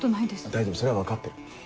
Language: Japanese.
大丈夫それは分かってる。